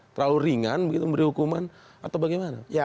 terlalu ringan begitu memberi hukuman atau bagaimana